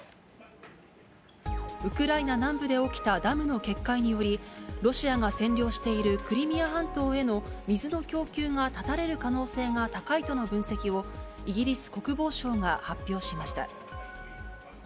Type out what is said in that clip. ウクライナ南部で起きたダムの決壊により、ロシアが占領しているクリミア半島への水の供給が断たれる可能性が高いとの分析を、イギリス国防省が発表しました。